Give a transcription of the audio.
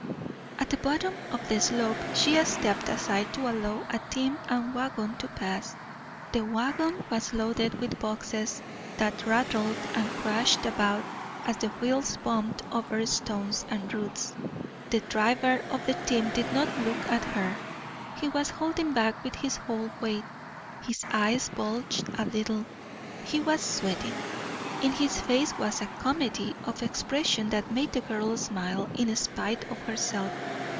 At the bottom of the slope she stepped aside to allow a team and wagon to pass. The wagon was loaded with boxes that rattled and crashed about as the wheels bumped over stones and roots. The driver of the team did not look at her. He was holding back with his whole weight; his eyes bulged a little; he was sweating, in his face was a comedy of expression that made the girl smile in spite of herself.